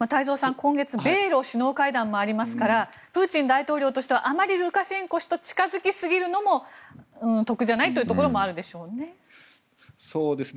今月、米ロ首脳会談もありますからプーチン大統領としてはあまりルカシェンコ氏と近付きすぎるのも得じゃないというところもあるでしょうね。